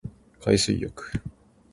海水浴